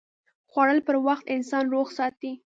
خوړل پر وخت انسان روغ ساتي